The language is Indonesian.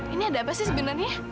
ini ada apa sih sebenarnya